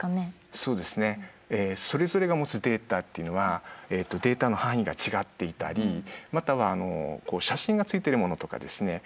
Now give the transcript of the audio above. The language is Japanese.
そうですねそれぞれが持つデータっていうのはデータの範囲が違っていたりまたは写真がついてるものとかですね